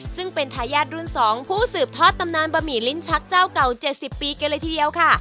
ซึ่งเป็นทายาทรุ่น๒ผู้สืบทอดตำนานบะหมี่ลิ้นชักเจ้าเก่า๗๐ปีกันเลยทีเดียวค่ะ